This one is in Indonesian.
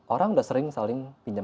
orang udah sering saling pinjam